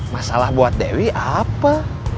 masalah buat dewi apa